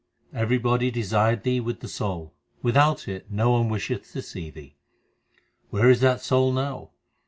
Everybody desired thee with the soul ; Without it no one wisheth to see thee. Where is that soul now